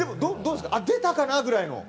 出たかな？ぐらいの。